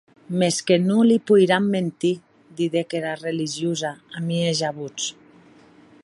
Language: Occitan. Mès que non li poiram mentir, didec era religiosa, a mieja votz.